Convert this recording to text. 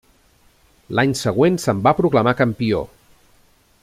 L'any següent se'n va proclamar campió.